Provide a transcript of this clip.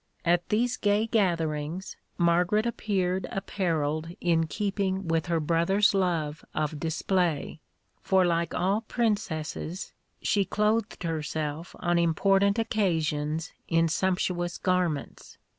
At these gay gatherings Margaret appeared apparelled in keeping with her brother's love of display; for, like all princesses, she clothed herself on important occasions in sumptuous garments.